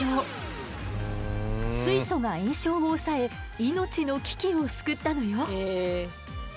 水素が炎症を抑え命の危機を救ったのよ。